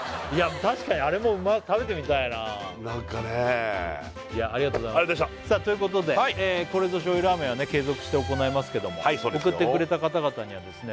確かにあれも食べてみたいなあ何かねえということでこれぞ醤油ラーメンは継続して行いますけども送ってくれた方々にはですね